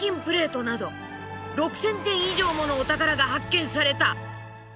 プレートなど６，０００点以上ものお宝が発見された。